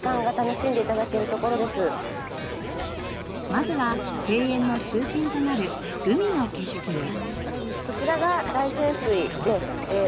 まずは庭園の中心となる海の景色へ。